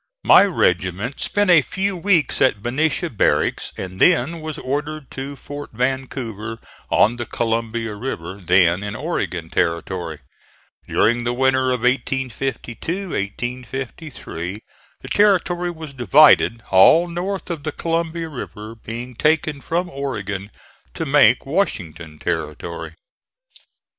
My regiment spent a few weeks at Benicia barracks, and then was ordered to Fort Vancouver, on the Columbia River, then in Oregon Territory. During the winter of 1852 3 the territory was divided, all north of the Columbia River being taken from Oregon to make Washington Territory.